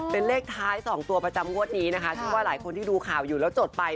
เป็นเลขท้าย๒ตัวประจำงวดนี้นะคะเชื่อว่าหลายคนที่ดูข่าวอยู่แล้วจดไป